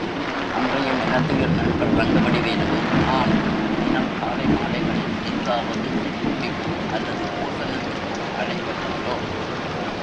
அன்றியும் எனதுயிர் நண்பர் ரங்கவடிவேலுவும் நானும் தினம் காலை மாலைகளில் எங்காவது சிற்றுண்டிக்கோ அல்லது போசனத்திற்கோ அழைக்கப்பட்டோம்.